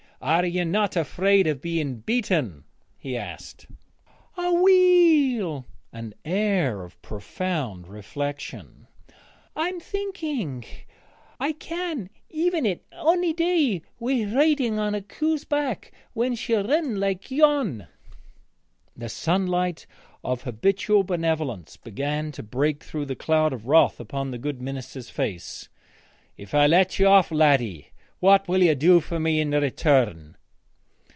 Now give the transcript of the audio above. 'Are you not afraid of being beaten?' he asked. 'Aweel' an air of profound reflection 'I'm thinking I can even it ony day wi' ridin' on a coo's back when she'll rin like yon.' The sunlight of habitual benevolence began to break through the cloud of wrath upon the good minister's face. 'If I let you off, laddie, what will you do for me in return?'